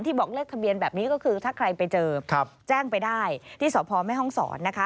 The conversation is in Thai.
บอกเลขทะเบียนแบบนี้ก็คือถ้าใครไปเจอแจ้งไปได้ที่สพแม่ห้องศรนะคะ